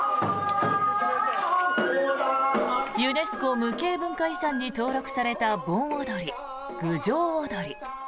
ユネスコ無形文化遺産に登録された盆踊り、郡上おどり。